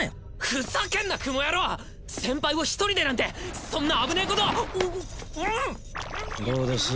ふざけんな蜘蛛野郎先輩を一人でなんてそんな危ねえことどうです？